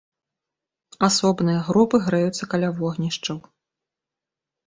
Асобныя групы грэюцца каля вогнішчаў.